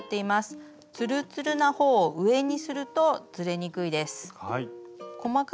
ツルツルなほうを上にするとずれにくいです。